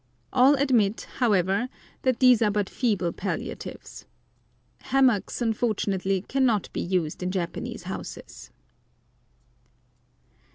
All admit, however, that these are but feeble palliatives. Hammocks unfortunately cannot be used in Japanese houses.